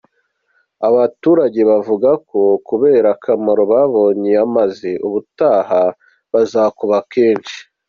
Aba baturage bavuga ko kubera akamaro babonye yamaze ubutaha bazakuba kenshi.